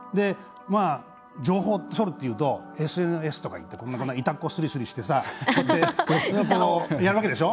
情報を取るっていうとＳＮＳとか、板っ子すりすりしてやるわけでしょ。